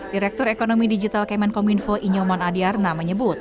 direktur ekonomi digital kemenkom info inyomon adyarna menyebut